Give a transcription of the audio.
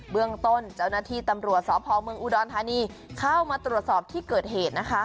เรื่องต้นเจ้าหน้าที่ตำรวจสพเมืองอุดรธานีเข้ามาตรวจสอบที่เกิดเหตุนะคะ